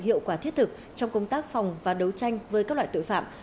hiệu quả thiết thực trong công tác phòng và đấu tranh với các loại tội phạm